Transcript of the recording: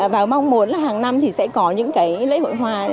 và mong muốn là hàng năm thì sẽ có những cái lễ hội hoa